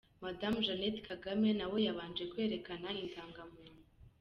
Madamu Jeannette Kagame na we yabanje kwerekana Indangamuntu.